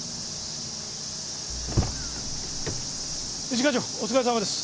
一課長お疲れさまです。